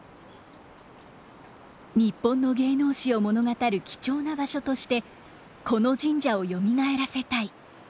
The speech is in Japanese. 日本の芸能史を物語る貴重な場所としてこの神社をよみがえらせたい。